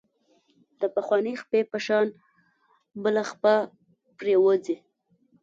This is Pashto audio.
د پخوانۍ خپې په شان بله خپه پرېوځي.